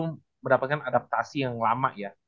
itu mendapatkan adaptasi yang lama ya